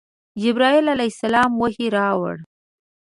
جبرائیل علیه السلام وحی راوړ.